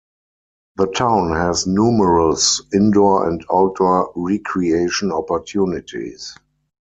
The town has numerous indoor and outdoor recreation opportunities.